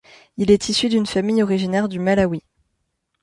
Il est issu d'une famille originaire du Malawi.